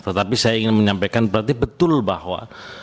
tetapi saya ingin menyampaikan berarti betul bahwa